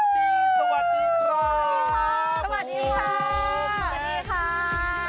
สวัสดีสวัสดีครับ